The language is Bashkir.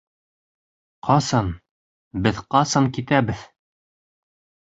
Ҡасан? Беҙ ҡасан китәбеҙ?